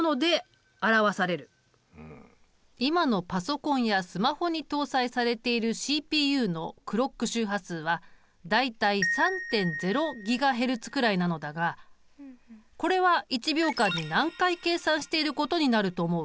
今のパソコンやスマホに搭載されているＣＰＵのクロック周波数は大体３．０ＧＨｚくらいなのだがこれは１秒間に何回計算していることになると思う？